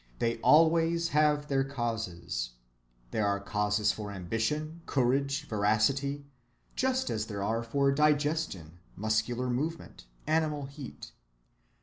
They always have their causes. There are causes for ambition, courage, veracity, just as there are for digestion, muscular movement, animal heat.